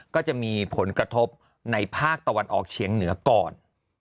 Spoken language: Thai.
ก็จะมีผลกระทบในภาคตะวันออกเฉียงเหนือก่อน